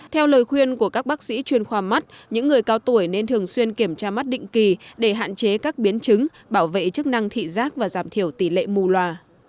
theo lời khuyên của các bác sĩ chuyên khoa mắt những người cao tuổi nên thường xuyên kiểm tra mắt định kỳ để hạn chế các biến chứng bảo vệ chức năng thị giác và giảm thiểu tỷ lệ mù loà